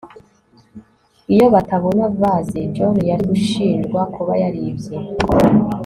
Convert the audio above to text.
iyo batabona vase, john yari gushinjwa kuba yaribye